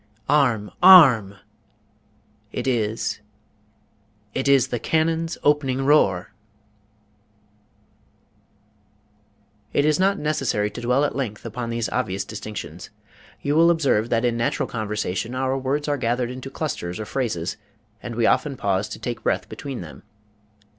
Arm, ARM! it is it is the cannon's opening roar! It is not necessary to dwell at length upon these obvious distinctions. You will observe that in natural conversation our words are gathered into clusters or phrases, and we often pause to take breath between them.